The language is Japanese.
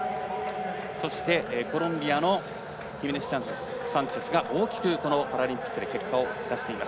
コロンビアのヒメネスサンチェスが大きくこのパラリンピックで結果を出しています。